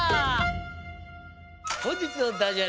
ほんじつのダジャ